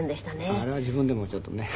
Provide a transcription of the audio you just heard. あれは自分でもちょっとね。